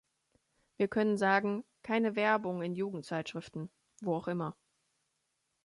Wir können sagen, keine Werbung in Jugendzeitschriften, wo auch immer.